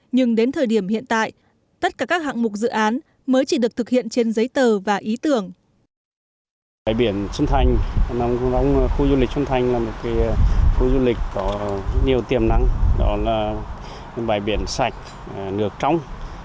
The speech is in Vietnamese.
nhưng đến thời điểm hiện tại tất cả các hạng mục dự án mới chỉ được thực hiện trên giấy tờ và ý tưởng